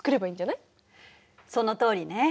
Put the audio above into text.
そのとおりね。